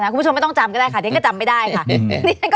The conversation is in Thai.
คุณผู้ชมไม่ต้องจำก็ได้ค่ะเดี๋ยวฉันก็จำไม่ได้ค่ะ